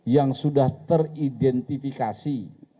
yang sudah teridentifikasi